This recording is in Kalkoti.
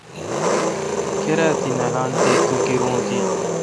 کیر تی نالان تے تو گیرو تی۔